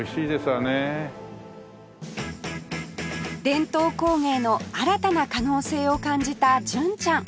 伝統工芸の新たな可能性を感じた純ちゃん